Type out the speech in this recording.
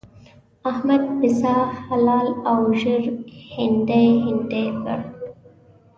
احمد پسه حلال او ژر هنډي هنډي کړ.